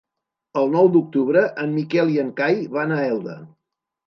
El nou d'octubre en Miquel i en Cai van a Elda.